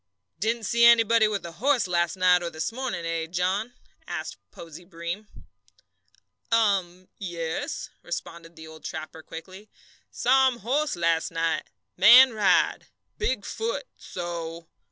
"Didn't see anybody with a horse last night or this morning, eh, John?" asked Posey Breem. "Um, yes," responded the old trapper, quickly. "Saw um horse las' night man ride big foot so."